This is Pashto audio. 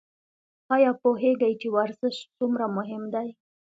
ایا پوهیږئ چې ورزش څومره مهم دی؟